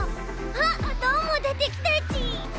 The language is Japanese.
あっどーもでてきたち！